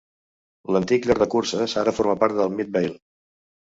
L'antic lloc de curses ara forma part de Midvale.